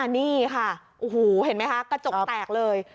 นี่ค่ะโอ้โหเห็นไหมคะกระจกแตกเลย